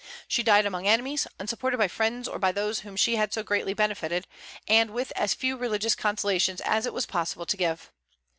She died among enemies, unsupported by friends or by those whom she had so greatly benefited, and with as few religious consolations as it was possible to give.